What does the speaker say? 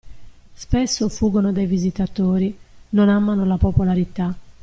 Spesso fuggono dai visitatori "non amano la popolarità".